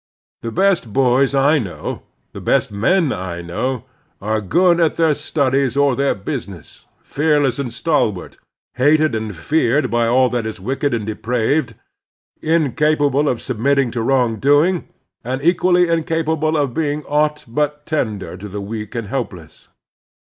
The best boys I know — the best men I know — ^are good at their studies or their business, fearless and stalwart, hated and feared by all that is wicked and de praved, incapable of submitting to wrong doing, and equally incapable of being aught but tender to the weak and helpless.